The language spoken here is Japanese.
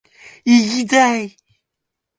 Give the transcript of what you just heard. いぎだい！！！！